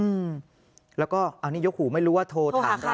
อืมละก็อันนี้ยกหูไม่รู้ว่าโทรทานราคา